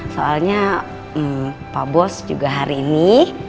soalnya pak bos juga hari ini